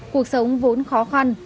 cuộc sống vốn khó khăn